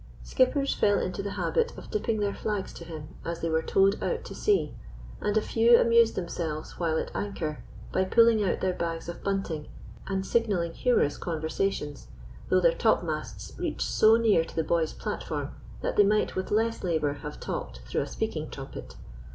Skippers fell into the habit of dipping their flags to him as they were towed out to sea, and a few amused themselves while at anchor by pulling out their bags of bunting and signalling humorous conversations, though their topmasts reached so near to the boy's platform that they might with less labour have talked through a speaking trumpet.